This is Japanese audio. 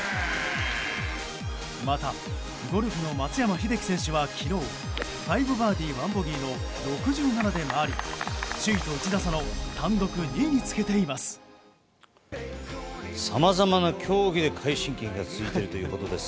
またゴルフの松山英樹選手は昨日５バーディー１ボギーの６７で回り首位と１打差の単独２位につけています。